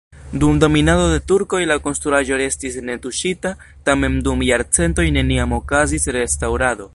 Dum dominado de turkoj la konstruaĵo restis netuŝita, tamen dum jarcentoj neniam okazis restaŭrado.